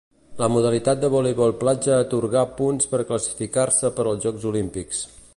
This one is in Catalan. La modalitat de voleibol platja atorgà punts per classificar-se per als Jocs Olímpics.